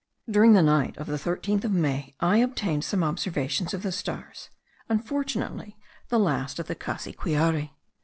During the night of the 13th of May, I obtained some observations of the stars, unfortunately the last at the Cassiquiare.